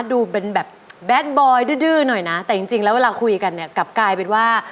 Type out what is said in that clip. ดูเป็นแบบแดดบอยดื้อหน่อยนะแต่จริงแล้วเวลาคุยกันเนี่ยกลับกลายเป็นว่า